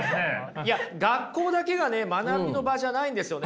いや学校だけがね学びの場じゃないんですよね。